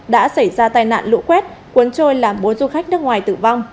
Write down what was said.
đã xảy ra tai nạn lũ quét cuốn trôi làm bốn du khách nước ngoài tử vong